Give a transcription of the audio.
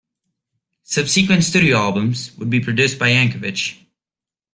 Subsequent studio albums would be produced by Yankovic.